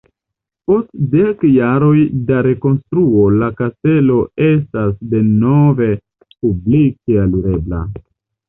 Post dek jaroj da rekonstruo la kastelo estas denove publike alirebla.